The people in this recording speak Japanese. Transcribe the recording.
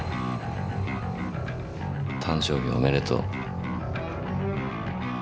誕生日おめでとう。